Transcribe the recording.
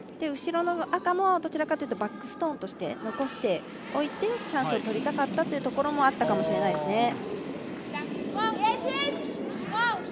後ろの赤もどちらかというとバックストーンとして残しておいて、チャンスをとりたかったところもあったかもしれないですね。